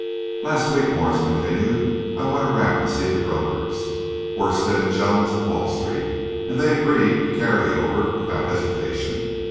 "Last week," Morse continued, "I went around to see the brokers, Worstead and Jones of Wall Street, and they agreed to carry over without hesitation.